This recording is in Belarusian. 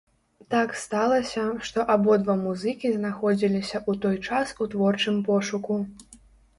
Так сталася, што абодва музыкі знаходзіліся ў той час у творчым пошуку.